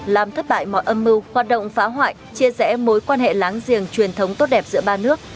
làm thất bại mọi âm mưu hoạt động phá hoại chia rẽ mối quan hệ láng giềng truyền thống tốt đẹp giữa ba nước